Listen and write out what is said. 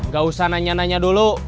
gak usah nanya nanya dulu